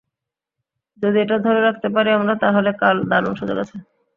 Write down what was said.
যদি এটা ধরে রাখতে পারি আমরা, তাহলে কাল দারুণ সুযোগ আছে।